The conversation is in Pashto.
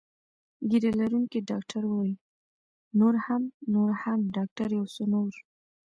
ږیره لرونکي ډاکټر وویل: نور هم، نور هم، ډاکټره یو څه نور.